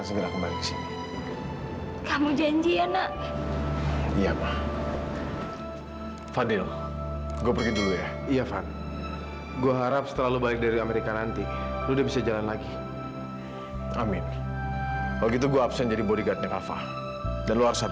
sampai jumpa di video selanjutnya